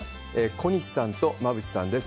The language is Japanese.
小西さんと馬渕さんです。